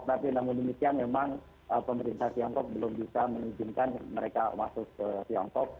tapi namun demikian memang pemerintah tiongkok belum bisa mengizinkan mereka masuk ke tiongkok